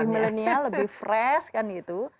lebih millennial lebih fresh kan gitu